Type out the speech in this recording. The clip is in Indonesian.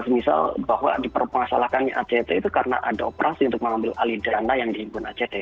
misal bahwa diperpengasalakan act itu karena ada operasi untuk mengambil alidana yang diimpun act